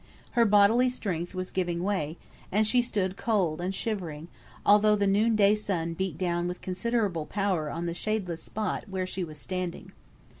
Her bodily strength was giving way, and she stood cold and shivering, although the noon day sun beat down with considerable power on the shadeless spot where she was standing.